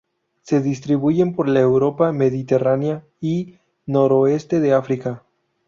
Se distribuyen por la Europa mediterránea, y noroeste de África.